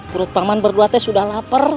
perut paman berdua t sudah lapar